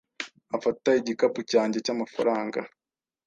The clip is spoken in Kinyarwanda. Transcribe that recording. Afata igikapu cyanjye cy'amafaranga.